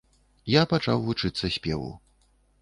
Я пачаў вучыцца спеву.